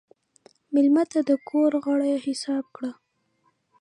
مېلمه ته د کور غړی حساب کړه.